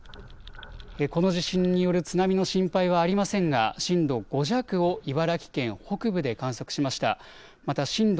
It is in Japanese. この地震による津波の心配はありませんが震度５弱を茨城県北部で観測しました。